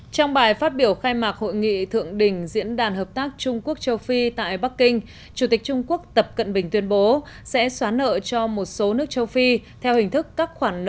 trong bài phát biểu khai mạc hội nghị thượng đỉnh diễn đàn hợp tác trung quốc châu phi tại bắc kinh chủ tịch trung quốc tập cận bình tuyên bố sẽ xóa nợ cho một số nước châu phi theo hình thức các khoản nợ